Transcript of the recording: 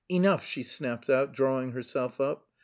"Enough!" she snapped out, drawing herself up.